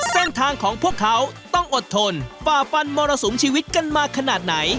เส้นทางของพวกเขาต้องอดทนฝ่าฟันมรสุมชีวิตกันมาขนาดไหน